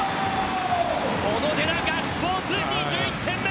小野寺、ガッツポーズ２１点目！